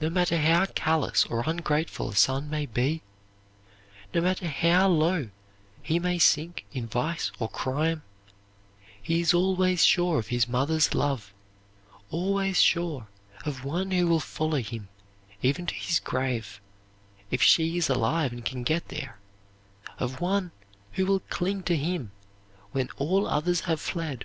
No matter how callous or ungrateful a son may be, no matter how low he may sink in vice or crime, he is always sure of his mother's love, always sure of one who will follow him even to his grave, if she is alive and can get there; of one who will cling to him when all others have fled.